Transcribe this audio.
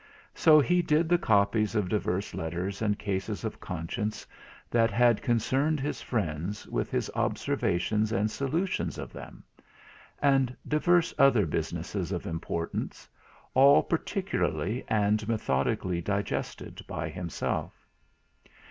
So he did the copies of divers Letters and Cases of Conscience that had concerned his friends, with his observations and solutions of them; and divers other businesses of importance, all particularly and methodically digested by himself.